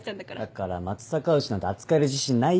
だから松阪牛なんて扱える自信ないって。